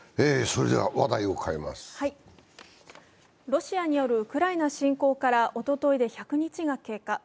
ロシアによるウクライナ侵攻からおとといで１００日が経過。